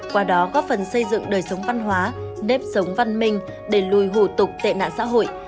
qua đó góp phần xây dựng đời sống văn hóa nếp sống văn minh để lùi hủ tục tệ nạn xã hội